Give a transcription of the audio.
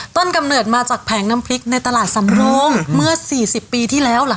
กำเนิดมาจากแผงน้ำพริกในตลาดสำโรงเมื่อ๔๐ปีที่แล้วเหรอค